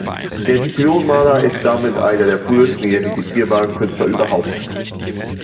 Der Dipylon-Maler ist damit einer der frühesten identifizierbaren Künstler überhaupt.